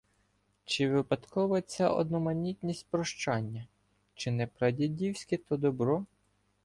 Чи випадкова ця одноманітність прощання? Чи не прадідівське то добро?